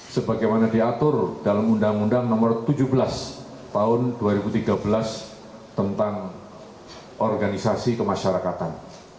sebagaimana diatur dalam undang undang nomor tujuh belas tahun dua ribu tiga belas tentang organisasi kemasyarakatan